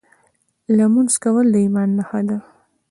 لمونځ کول د ایمان نښه ده .